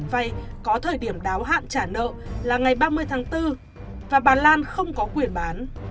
tòa nhà capital plan có thời điểm đáo hạn trả nợ là ngày ba mươi tháng bốn và bà lan không có quyền bán